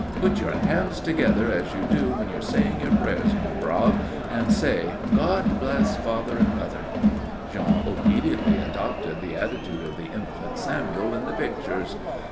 Put your hands together as you do when you're saying your prayers, mon brave, and say, 'God bless father and mother.'" Jean obediently adopted the attitude of the infant Samuel in the pictures.